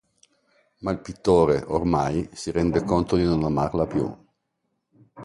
Ma il pittore, ormai, si rende conto di non amarla più.